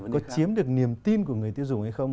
có chiếm được niềm tin của người tiêu dùng hay không